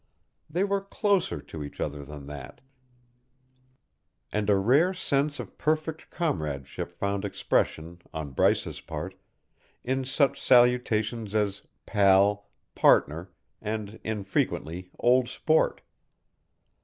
They were closer to each other than that, and a rare sense of perfect comradeship found expression, on Bryce's part, in such salutations as "pal," "partner" and, infrequently, "old sport."